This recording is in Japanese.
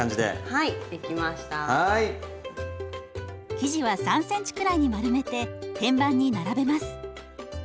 生地は３ｃｍくらいに丸めて天板に並べます。